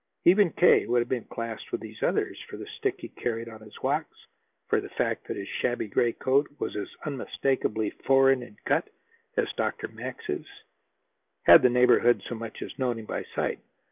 Even K. would have been classed with these others, for the stick that he carried on his walks, for the fact that his shabby gray coat was as unmistakably foreign in cut as Dr. Max's, had the neighborhood so much as known him by sight.